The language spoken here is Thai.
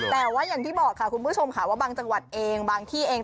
แต่ว่าอย่างที่บอกค่ะคุณผู้ชมค่ะว่าบางจังหวัดเองบางที่เอง